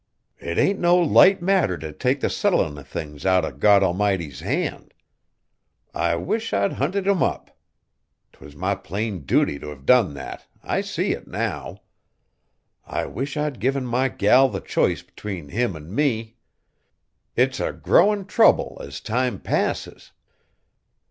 It ain't no light matter t' take the settlin' o' things out o' God Almighty's hand. I wish I'd hunted him up! 'T was my plain duty t' have done that, I see it now. I wish I'd given my gal the choice 'tween him an' me! It's a growin' trouble as time passes."